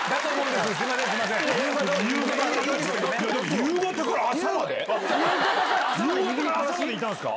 夕方から朝までいたんすか？